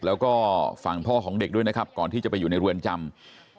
แล้วก็ฝั่งพ่อของเด็กด้วยนะครับก่อนที่จะไปอยู่ในเรือนจำ